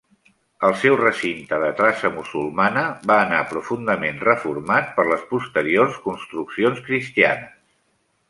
El seu recinte de traça musulmana va anar profundament reformat per les posteriors construccions cristianes.